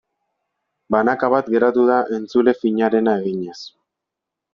Banaka bat geratu da entzule finarena eginez.